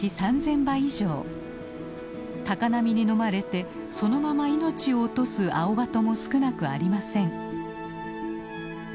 高波にのまれてそのまま命を落とすアオバトも少なくありません。